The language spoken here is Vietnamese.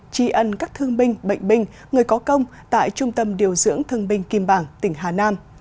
tri ân các thương binh bệnh binh người có công tại trung tâm điều dưỡng thương binh kim bảng tỉnh hà nam